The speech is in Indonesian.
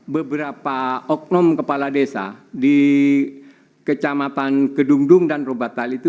beberapa oknum kepala desa di kecamatan kedungdung dan robatal itu